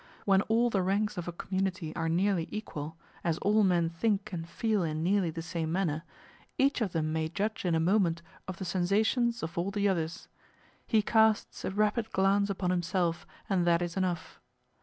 When all the ranks of a community are nearly equal, as all men think and feel in nearly the same manner, each of them may judge in a moment of the sensations of all the others; he casts a rapid glance upon himself, and that is enough.